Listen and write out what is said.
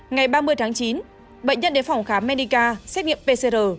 ngày ba mươi tháng chín bệnh nhân đến phòng khám menica xét nghiệm pcr